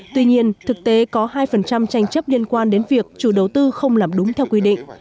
tuy nhiên thực tế có hai tranh chấp liên quan đến việc chủ đầu tư không làm đúng theo quy định